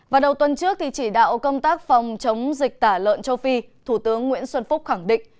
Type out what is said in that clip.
vào đầu tuần trước chỉ đạo công tác phòng chống dịch tả lợn châu phi thủ tướng nguyễn xuân phúc khẳng định